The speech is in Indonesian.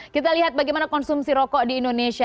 kita lihat bagaimana konsumsi rokok di indonesia